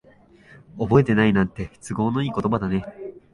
覚えてないなんて、都合のいい言葉だね。